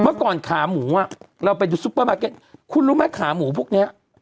เมื่อก่อนขาหมูอ่ะเราไปดูซุปเปอร์มาร์เก็ตคุณรู้ไหมขาหมูพวกเนี้ย